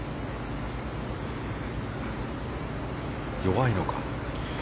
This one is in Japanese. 弱いのか。